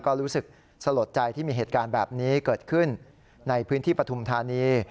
ก็รู้สึกสลดใจที่มีเหตุการณ์แบบนี้เกิดขึ้นในพื้นที่ปฐุมธานี